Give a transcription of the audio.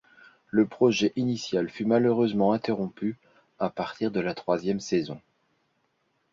Le projet initial fut malheureusement interrompu à partir de la troisième saison.